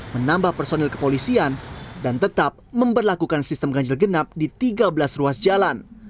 menambah personil kepolisian dan tetap memperlakukan sistem ganjil genap di tiga belas ruas jalan